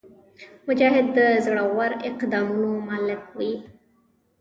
مجاهد د زړور اقدامونو مالک وي.